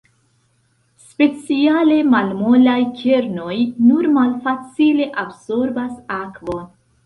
Speciale malmolaj kernoj nur malfacile absorbas akvon.